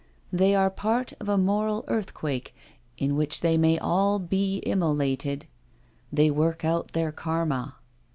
They are part of a moral earthquake in which they may all be immolated— they work out their Karma."